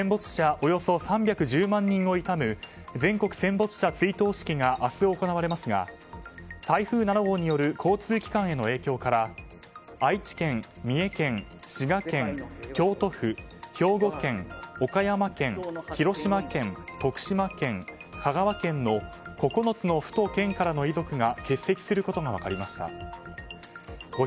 およそ３１０万人を悼む全国戦没者追悼式が明日、行われますが台風７号による交通機関への影響から愛知県、三重県、滋賀県、京都府兵庫県、岡山県広島県、徳島県、香川県の颯という名の爽快緑茶！